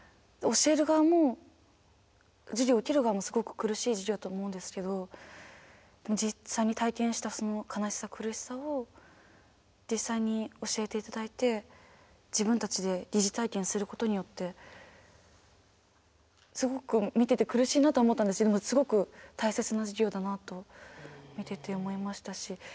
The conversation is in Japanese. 教える側も授業を受ける側もすごく苦しい授業だと思うんですけどでも実際に体験した悲しさ苦しさを実際に教えて頂いて自分たちで疑似体験することによってすごく見てて苦しいなと思ったんですけどすごく大切な授業だなと見てて思いましたし。